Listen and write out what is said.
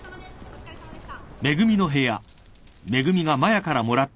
・お疲れさまでした。